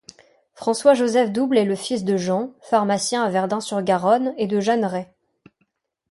François-Joseph Double est le fils de Jean, pharmacien à Verdun-sur-Garonne, et de Jeanne Rey.